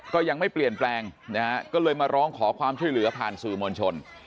ก็ยังไม่เปลี่ยนแปลงนะฮะก็เลยมาร้องขอความช่วยเหลือผ่านสื่อมวลชน